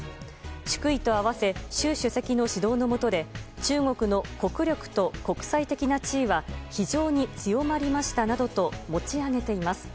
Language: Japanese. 祝意と合わせ習主席の指導の下で中国の国力と国際的な地位は非常に強まりましたなどと持ち上げています。